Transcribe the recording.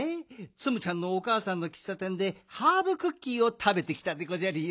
ツムちゃんのおかあさんのきっさてんでハーブクッキーをたべてきたでごじゃるよ。